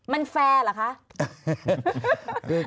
มันแฟร์เหรอคะ